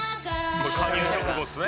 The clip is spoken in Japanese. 「これ加入直後ですね」